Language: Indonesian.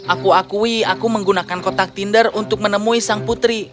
aku akui aku menggunakan kotak tinder untuk menemui sang putri